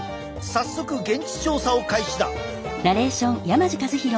早速現地調査を開始だ。